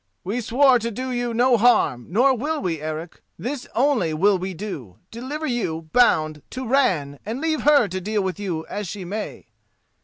"We swore to do you no harm, nor will we, Eric; this only will we do: deliver you, bound, to Ran, and leave her to deal with you as she may."